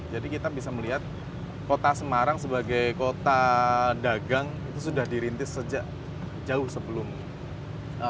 jadi kita bisa melihat kota semarang sebagai kota dagang itu sudah dirintis sejak jauh sebelum ini